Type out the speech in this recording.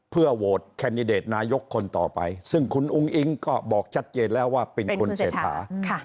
เพื่อโหวตแคนดิเดตนายกคนต่อไปซึ่งคุณอุ้งอิงก็บอกชัดเจนแล้วว่าเป็นคุณเศรษฐา